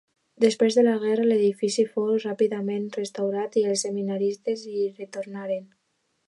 Després de la guerra l'edifici fou ràpidament restaurat i els seminaristes hi retornaren.